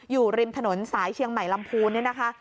อยู่ริมถนนสายเชียงใหม่ลำพูนเนี่ยนะคะ